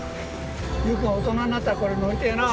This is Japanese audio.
佑くんは大人になったらこれ乗りてえなあ。